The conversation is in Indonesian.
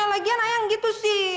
lagian ayang gitu sih